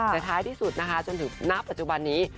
แต่ท้ายที่สุดนะคะจนถึงณปัจจุบันนี้